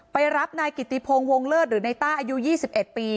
ไปรับนายกิติพงศ์วงเลิศหรือนายต้าอายุ๒๑ปี